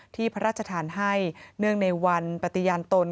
พระราชทานให้เนื่องในวันปฏิญาณตน